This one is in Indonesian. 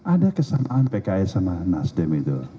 ada kesamaan pks sama nasdem itu